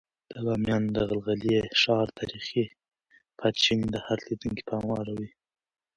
د بامیانو د غلغلي ښار تاریخي پاتې شونې د هر لیدونکي پام اړوي.